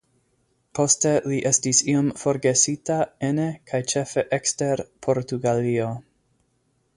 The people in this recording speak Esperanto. Poste li estis iom forgesita ene kaj ĉefe ekster Portugalio.